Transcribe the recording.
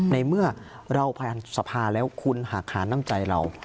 ในเมื่อเราผ่านสภาแล้วคุณหากหาน้ำใจเรา